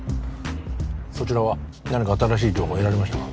そちらは何か新しい情報得られましたか？